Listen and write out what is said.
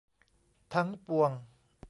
ทั้งปวง